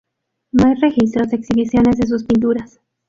No hay registros de exhibiciones de sus pinturas.